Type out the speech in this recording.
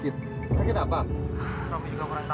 tidak pernah membuat